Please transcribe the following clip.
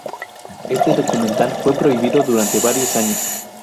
Este documental fue prohibido durante varios años.